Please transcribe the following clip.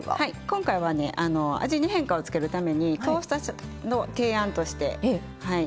今回はね味に変化をつけるためにトーストの提案としてはい。